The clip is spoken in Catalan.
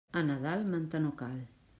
A Nadal manta no cal.